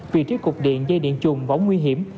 vị trí cục điện dây điện chùm võng nguy hiểm